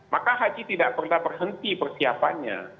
maka haji tidak pernah berhenti persiapannya